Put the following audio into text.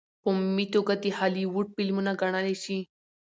په عمومي توګه د هالي وډ فلمونه ګڼلے شي.